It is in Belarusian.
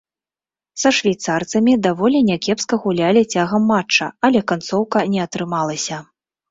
Са швейцарцамі даволі някепска гулялі цягам матча, але канцоўка не атрымалася.